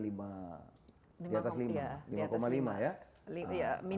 diatas lima lima lima ya